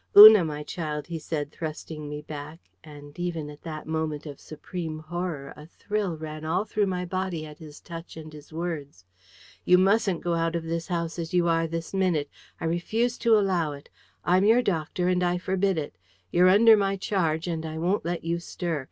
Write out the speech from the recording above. "Una, my child," he said, thrusting me back and even at that moment of supreme horror, a thrill ran all through my body at his touch and his words "you MUSTN'T go out of this house as you are this minute. I refuse to allow it. I'm your doctor, and I forbid it. You're under my charge, and I won't let you stir.